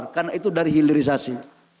karena itu dari hilirisasi